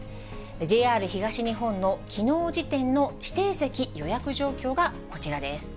ＪＲ東日本のきのう時点の指定席予約状況がこちらです。